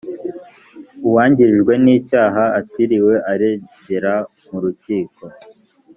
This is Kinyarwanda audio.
uwangirijwe n icyaha atiriwe aregera mu rukiko